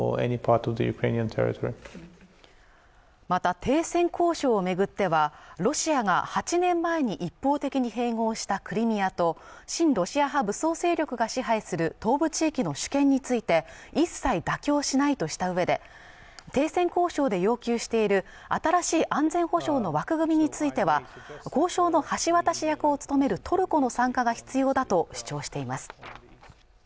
また停戦交渉を巡ってはロシアが８年前に一方的に併合したクリミアと親ロシア派武装勢力が支配する東部地域の主権について一切妥協しないとしたうえで停戦交渉で要求している新しい安全保障の枠組みについては交渉の橋渡し役を務めるトルコの参加が必要だと主張しています